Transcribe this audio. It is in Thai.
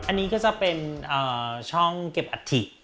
อันนี้ก็จะเป็นช่องเก็บอัฐิ